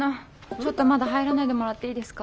ちょっとまだ入らないでもらっていいですか？